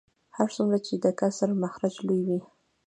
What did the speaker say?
هر څومره چې د کسر مخرج لوی وي